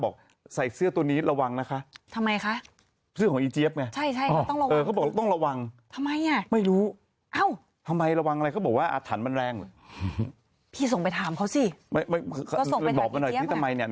คนถ่ายคลิปก็บอกว่าอ่าหนูกัน